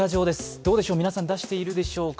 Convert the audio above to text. どうですか、皆さん、出しているでしょうか？